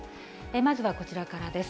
まずはこちらからです。